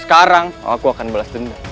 sekarang aku akan balas denda